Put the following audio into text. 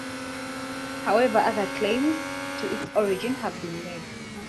However, other claims to its origin have been made.